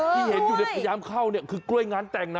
ที่เห็นอยู่เนี่ยพยายามเข้าเนี่ยคือกล้วยงานแต่งนะ